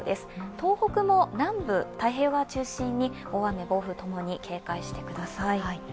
東北も南部、太平洋側を中心に大雨・暴風共に警戒してください。